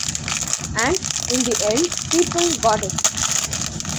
And, in the end, people got it.